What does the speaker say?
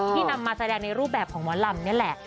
ที่นำมาแสดงในรูปแบบของวันลำเนี่ยแหละ